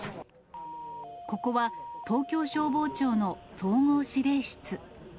ここは東京消防庁の総合指令室。